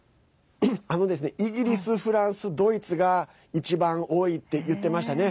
イギリス、フランス、ドイツが一番多いって言ってましたね。